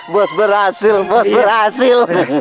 boss berhasil boss berhasil